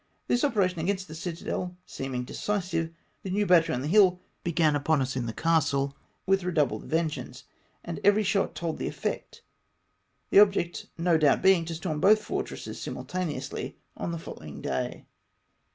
This operation against the citadel seeming decisive, the new battery on the hill began upon us in the castle with redoubled vengeance, and every shot told with effect ; the object no doubt being to storm both fortresses simultaneously on the following day.